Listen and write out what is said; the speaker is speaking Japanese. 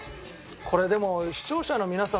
これでも視聴者の皆様